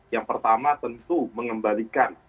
yang pertama tentu mengembalikan